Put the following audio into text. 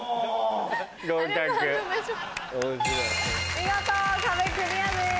見事壁クリアです。